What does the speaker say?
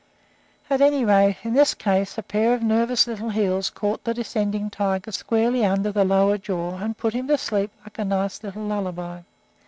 At any rate, in this case a pair of nervous little heels caught the descending tiger squarely under the lower jaw, and put him to sleep like a nice little lullaby.